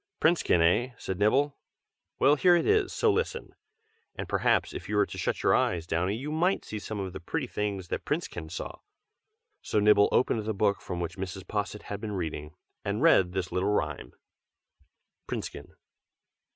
"'Princekin,' eh?" said Nibble, "Well, here it is, so listen! And perhaps, if you were to shut your eyes, Downy, you might see some of the pretty things that Princekin saw." So Nibble opened the book, from which Mrs. Posset had been reading, and read this little rhyme: _PRINCEKIN.